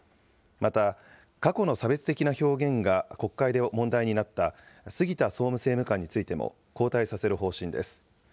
また過去の差別的な表現が国会で問題になった、杉田総務政務官についても交代させる方針です。